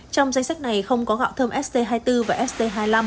trong danh sách này không có gạo thơm st hai mươi bốn và st hai mươi năm